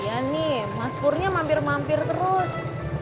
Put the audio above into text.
iya nih mas purnya mampir mampir terus